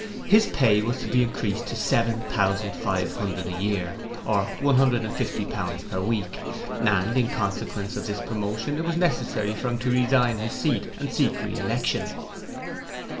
His pay was to be increased to seven thousand five hundred a year or one hundred and fifty pounds per week, and in consequence of this promotion it was necessary for him to resign his seat and seek re election.